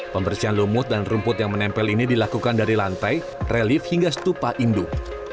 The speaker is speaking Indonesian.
pembersihan lumut dan rumput yang menempel ini dilakukan dari lantai relift hingga stupa induk